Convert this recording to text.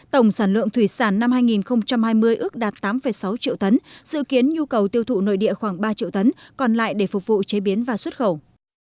tổng sản lượng thủy sản năm hai nghìn hai mươi ước đạt tám sáu triệu tấn dự kiến nhu cầu tiêu thụ nội địa khoảng ba triệu tấn còn lại để phục vụ chế biến và xuất khẩu